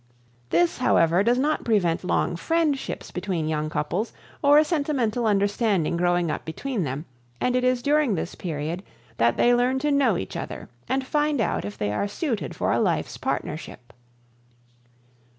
This, however, does not prevent long friendships between young couples or a sentimental understanding growing up between them, and it is during this period that they learn to know each other and find out if they are suited for a life's partnership.